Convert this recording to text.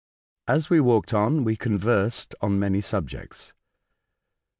As we walked on we conversed on many subjects.